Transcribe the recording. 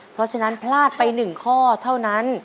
เพราะฉะนั้นพลาดไป๑ข้อเท่านั้น